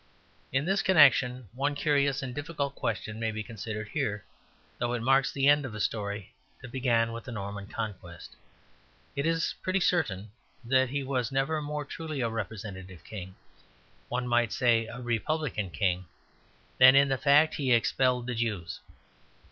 In this connection one curious and difficult question may be considered here, though it marks the end of a story that began with the Norman Conquest. It is pretty certain that he was never more truly a representative king, one might say a republican king, than in the fact that he expelled the Jews.